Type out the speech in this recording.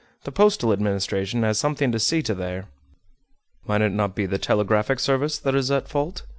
"The postal administration has something to see to there." "Might it not be the telegraphic service that is at fault?"